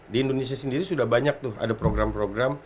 di indonesia sendiri sudah banyak tuh ada program program